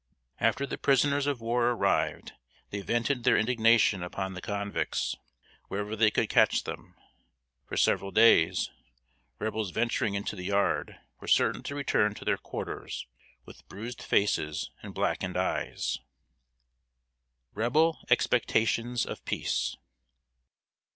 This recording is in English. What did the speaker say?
After the prisoners of war arrived they vented their indignation upon the convicts, wherever they could catch them. For several days, Rebels venturing into the yard were certain to return to their quarters with bruised faces and blackened eyes. [Sidenote: REBEL EXPECTATIONS OF PEACE.